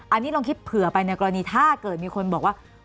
อันนี้ลองคิดเผื่อไปในกรณีถ้าเกิดมีคนบอกว่า